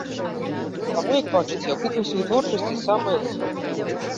Таму, як бачыце, акупнасць вытворчасці самая высокая.